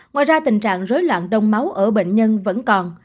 ngoài ra tình trạng rối loạn đông máu ở bệnh nhân vẫn còn